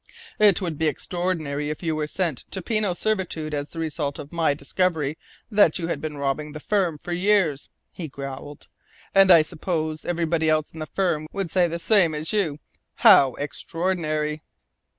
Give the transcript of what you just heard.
"It would be extraordinary if you were sent to penal servitude as the result of my discovery that you had been robbing the firm for years," he growled, "and I suppose everybody else in the firm would say the same as you how extraordinary!"